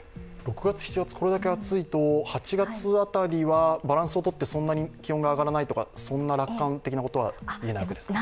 ６月、７月これだけ暑いと８月辺りはバランスをとってそんなに気温が上がらないとかそんな楽観的なことはいえないですか。